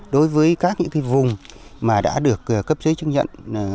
đối với các những vùng mà đã được cấp giấy chứng nhận